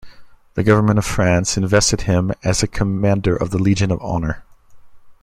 The government of France invested him as a Commander of the Legion of Honor.